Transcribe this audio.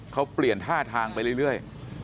เขาเปลี่ยนท่าทางไปเรื่อย